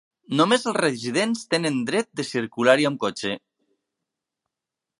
Només els residents tenen dret de circular-hi amb cotxe.